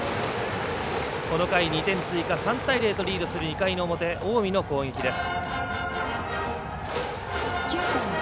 この回、２点追加３対０とリードする２回の表、近江の攻撃です。